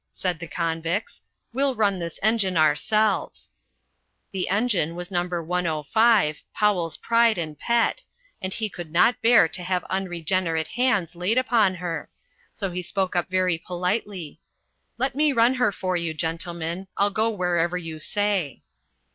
said the convicts; "we'll run this engine ourselves." The engine was No. 105, Powell's pride and pet, and he could not bear to have unregenerate hands laid upon her, so he spoke up very politely: "Let me run her for you, gentlemen; I'll go wherever you say."